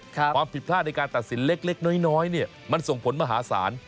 ความผิดพลาดในการตัดสินเล็กน้อยมันส่งผลมหาศาล